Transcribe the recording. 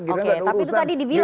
gerinda tidak ada urusan